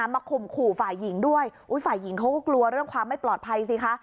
ข่มขู่ฝ่ายหญิงด้วยฝ่ายหญิงเขาก็กลัวเรื่องความไม่ปลอดภัยสิคะ